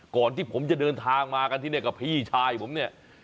ก่อนที่ผมจะเดินทางมากันที่นี่กับพี่ชายผมเนี่ย